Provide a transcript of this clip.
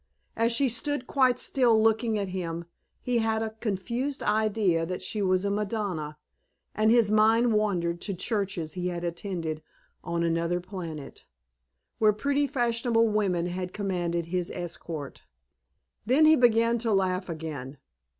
As she stood quite still looking at him he had a confused idea that she was a Madonna, and his mind wandered to churches he had attended on another planet, where pretty fashionable women had commanded his escort. Then he began to laugh again.